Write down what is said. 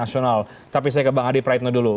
tapi saya ke bang adi praetno dulu